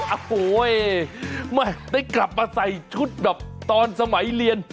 โอ้โหแม่ได้กลับมาใส่ชุดแบบตอนสมัยเรียน